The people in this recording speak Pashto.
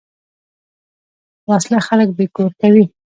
وسله خلک بېکور کوي